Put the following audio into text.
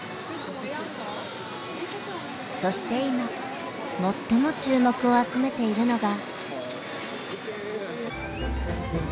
そして今最も注目を集めているのが。